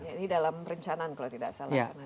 ini dalam perencanaan kalau tidak salah